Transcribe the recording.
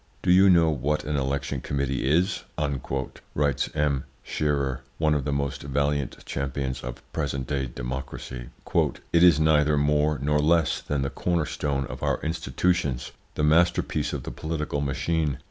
"Do you know what an election committee is?" writes M. Scherer, one of the most valiant champions of present day democracy. "It is neither more nor less than the corner stone of our institutions, the masterpiece of the political machine.